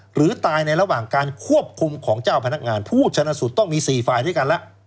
หรือตายในระหว่างการควบคุมของเจ้าพนักงานผู้ชนะสูตรต้องมี๔ฝ่ายด้วยกันแล้ว